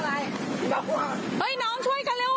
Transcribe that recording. แม้คอนการ์ดก่อน